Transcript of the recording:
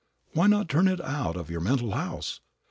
Why not turn it out of your mental house?